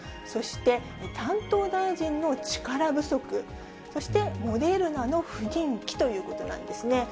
そして、担当大臣の力不足、そしてモデルナの不人気ということなんですね。